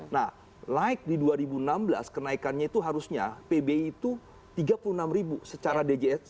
nah like di dua ribu enam belas kenaikannya itu harusnya pbi itu tiga puluh enam ribu secara djs